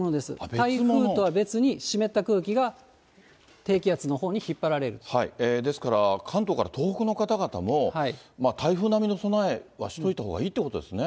台風とは別に湿った空気が低気圧ですから、関東から東北の方々も、台風並みの備えはしておいたほうがいいということですね。